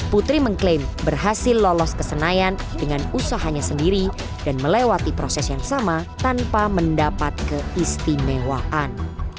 putri mengklaim berhasil lolos ke senayan dengan usahanya sendiri dan melewati proses yang sama tanpa mendapat keistimewaan